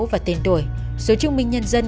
và tên tuổi số chứng minh nhân dân